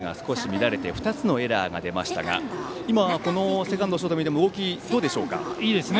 初戦は内野の守備が少し乱れて２つのエラーが出ましたが今のセカンド、ショートの動きはどうでしょうか？